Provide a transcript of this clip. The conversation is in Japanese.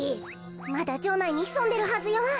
まだじょうないにひそんでるはずよ。